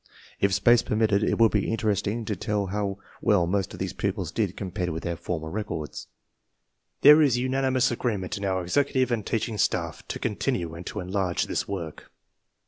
If space permitted, it would be interesting to tell how well most of these pupils did compared with their former records. There is unanimous agreement in our executive and teaching staff to continue and to enlarge this work.